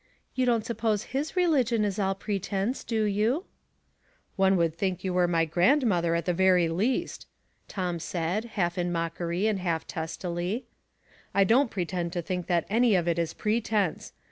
*' You don't suppose his religion is all pretense, do you ?" "One would think you were my grandmother, at the very least," Tom said, half in mocker}^ and half testily. '' I don't pretend to think that any of it is pretense.